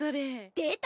出た！